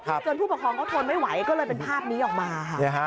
จนผู้ปกครองเขาทนไม่ไหวก็เลยเป็นภาพนี้ออกมาค่ะ